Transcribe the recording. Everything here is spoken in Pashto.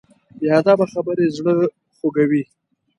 بې ادبه خبرې زړه خوږوي.